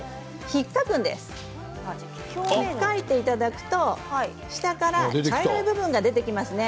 ひっかいていただくと下から茶色い部分が出てきますね。